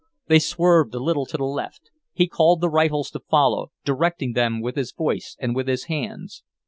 They swerved a little to the left; he called the rifles to follow, directing them with his voice and with his hands.